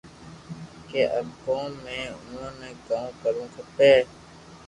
ڪي آ ڪوم مي ائو ني ڪاو ڪروُ کپي